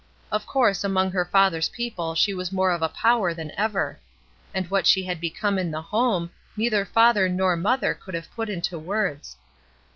Of course among her father's people she was more of a power than ever; and what she had become in the home, neither father nor mother could have put into words.